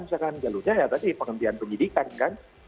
misalkan jalurnya ya tadi penghentian penyidikan kan